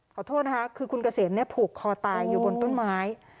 ขอโทษนะคะคือคุณเกษมผูกคอตายอยู่บนต้นไม้